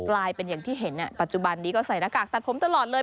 กลายเป็นอย่างที่เห็นปัจจุบันนี้ก็ใส่หน้ากากตัดผมตลอดเลย